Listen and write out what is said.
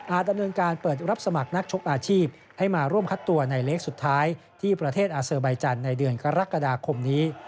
ดำเนินการเปิดรับสมัครนักชกอาชีพให้มาร่วมคัดตัวในเล็กสุดท้ายที่ประเทศอาเซอร์ใบจันทร์ในเดือนกรกฎาคมนี้